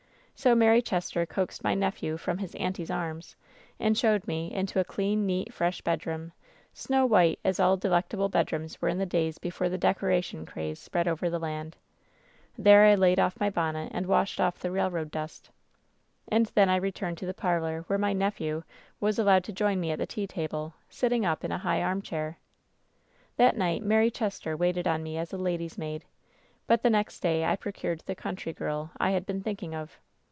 So Mary Chester coaxed my 'nepheV from his 'auntie's' arms and showed me into a clean, neat, fresh bedroom, snow white, as all delectable bed rooms were in the days before the 'decoration' craze spread over the land. There I laid off my bonnet and washed off the railroad dust. "And then I returned to the parlor, where my 'nephew' was allowed to join me at the tea table, sitting up in a high armchair. WHEN SHADOWS DIE 219 'That night Mary Chester waited on me as lady's maid, but the next day I procured the country girl I had been thinking of.